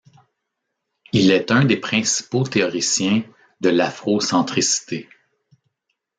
Il est un des principaux théoriciens de l'afrocentricité.